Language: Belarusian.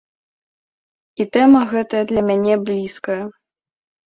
І тэма гэтая для мяне блізкая.